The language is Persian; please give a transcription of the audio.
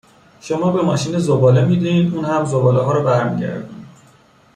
شما به ماشین زباله میدین، اون هم زبالهها رو برمیگردونه!